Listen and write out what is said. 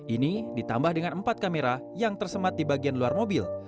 ini ditambah dengan empat kamera yang tersemat di bagian luar mobil